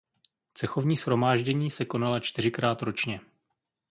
Cechovní shromáždění se konala čtyřikrát ročně.